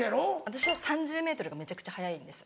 私は３０ｍがめちゃくちゃ速いんです。